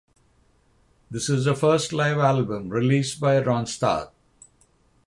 This is the first live album released by Ronstadt.